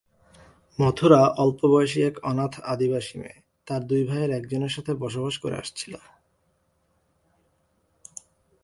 মথুরা অল্পবয়সী এক অনাথ "আদিবাসী" মেয়ে, তার দুই ভাইয়ের একজনের সাথে বসবাস করে আসছিল।